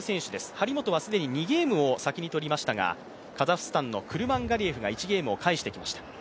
張本はすでに２ゲームを先に取りましたがカザフスタンのクルマンガリエフが１ゲームを返してきました。